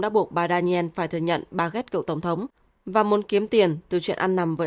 nói rằng bà daniel phải thừa nhận bà ghét cậu tổng thống và muốn kiếm tiền từ chuyện ăn nằm với